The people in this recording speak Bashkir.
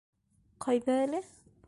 Ҡайҙа әле?